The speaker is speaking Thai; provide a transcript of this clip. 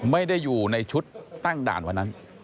ไม่ได้อยู่ในชุดตั้งด่านวันนั้น